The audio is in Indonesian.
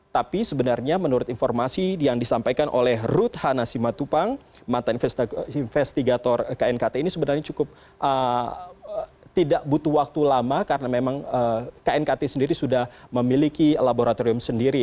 tapi sebenarnya menurut informasi yang disampaikan oleh ruthana simatupang mantan investigator knkt ini sebenarnya cukup tidak butuh waktu lama karena memang knkt sendiri sudah memiliki laboratorium sendiri